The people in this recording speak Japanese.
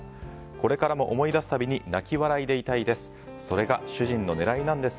これからも思い出すたびに泣き笑いでいたいです。